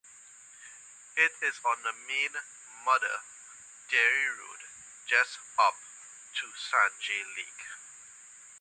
It is on the Main Mother Dairy Road just opp to Sanjay Lake.